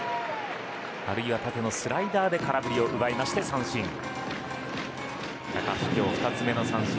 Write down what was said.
あるいは縦のスライダーで空振りを奪って三振。